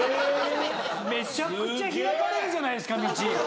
めちゃくちゃ開かれるじゃないですか道。